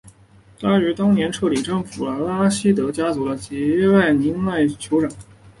他于当年彻底征服了拉希德家族的杰拜勒舍迈尔酋长国。